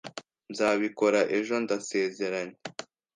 Nzabikora ejo. Ndasezeranye.